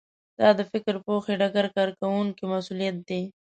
دا د فکر پوهې ډګر کارکوونکو مسوولیت دی